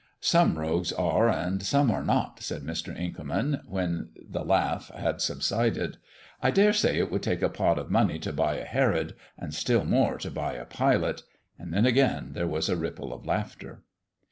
"Some rogues are and some are not," said Mr. Inkerman, when the laugh had subsided. "I dare say it would take a pot of money to buy a Herod, and still more to buy a Pilate," and then again there was a ripple of laughter.